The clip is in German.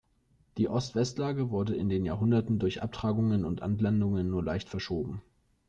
Die Ost-West-Lage wurde in den Jahrhunderten durch Abtragungen und Anlandungen nur leicht verschoben.